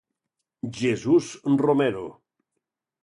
Jesús Romero.